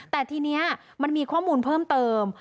แต่ทีนี้มันมีข้อมูลเพิ่มเติม